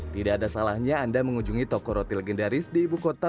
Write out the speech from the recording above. tidak ada salahnya anda mengunjungi toko roti legendaris di ibu kota